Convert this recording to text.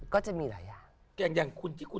ก็เป็นหลายอย่าง